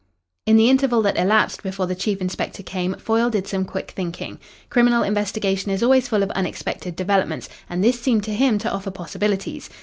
In the interval that elapsed before the chief inspector came, Foyle did some quick thinking. Criminal investigation is always full of unexpected developments, and this seemed to him to offer possibilities.